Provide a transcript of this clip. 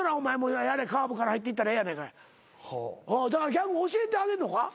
ギャグ教えてあげんのか？